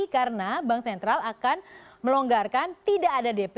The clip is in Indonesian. karena bank sentral akan melonggarkan tidak ada dp